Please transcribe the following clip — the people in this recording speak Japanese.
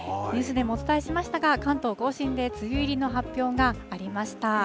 ニュースでもお伝えしましたが、関東甲信で梅雨入りの発表がありました。